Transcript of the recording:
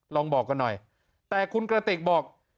ลองบอกกันหน่อยแต่คุณกระติกบอก